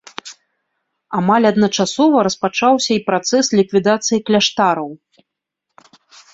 Амаль адначасова распачаўся і працэс ліквідацыі кляштараў.